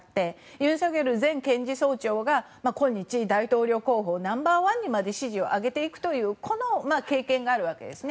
ユン・ソクヨル前検事総長が今日大統領候補ナンバー１にまで支持を上げていくというこの経験があるわけですね。